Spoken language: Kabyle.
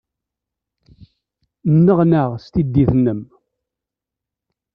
Nneɣnaɣ s tiddit-nnem.